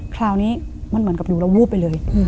คราวนี้มันเหมือนกับอยู่เราวูบไปเลย